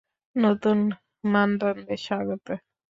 নতুন মানদণ্ডে স্বাগত।